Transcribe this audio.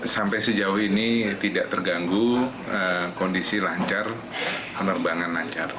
sampai sejauh ini tidak terganggu kondisi lancar penerbangan lancar